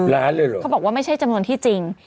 ๑๐ล้านเลยเหรอ